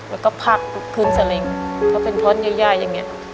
แล้วก็พักพื้นสลิงเขาเป็นท้อนเยอะแยะอย่างเนี้ย